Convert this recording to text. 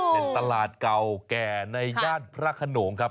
เป็นตลาดเก่าแก่ในย่านพระขนงครับ